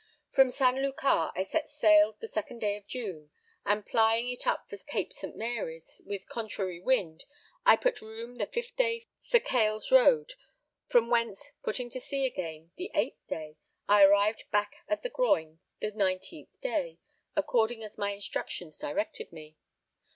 From St. Lucar I set sail the 2nd day of June, and plying it up for Cape St. Mary's with a contrary wind, I put room the 5th day for Cales road, from whence, putting to sea again the 8th day, I arrived back again at the Groyne the 19th day, according as my instructions directed me.